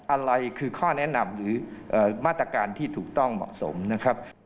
อะไรคือข้อแนะนำหรือมาตรการที่ถูกต้องเหมาะสมนะครับ